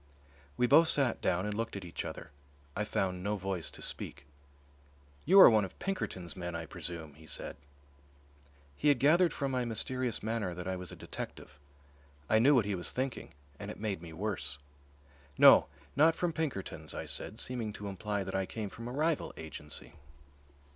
We both sat down and looked at each other. I found no voice to speak. "You are one of Pinkerton's men, I presume," he said. He had gathered from my mysterious manner that I was a detective. I knew what he was thinking, and it made me worse. "No, not from Pinkerton's," I said, seeming to imply that I came from a rival agency.